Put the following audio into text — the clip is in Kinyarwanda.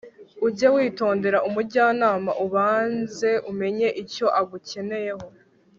ujye witondera umujyanama ubanze umenye icyo agukeneyeho